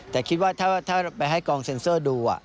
แต่คิดว่าถ้าไปให้กองเซ็นเซอร์ดู